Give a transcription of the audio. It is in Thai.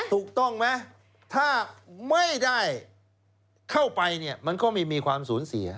ถูกต้องไหมถ้าไม่ได้เข้าไปเนี่ยมันก็ไม่มีความสูญเสีย